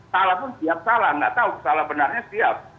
salah pun siap salah nggak tahu salah benarnya siap